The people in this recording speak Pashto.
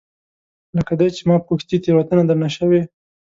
لکه دی چې ما پوښتي، تیروتنه درنه شوې؟